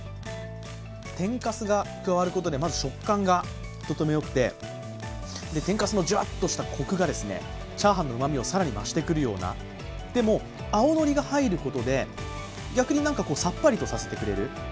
天かすが加わることで、まず食感がとてもよくて天かすのじゅわっとしたコクが、チャーハンの旨みを更に増してくれるようなでも青のりが入ることで、逆にさっぱりとさせてくれる。